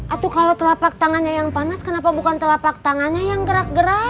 atuh kalau kelapak tangannya yang panas kenapa bukan kelapak tangannya yang gerak gerak